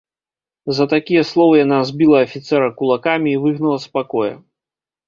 За такія словы яна збіла афіцэра кулакамі і выгнала з пакоя.